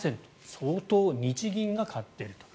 相当、日銀が買っていると。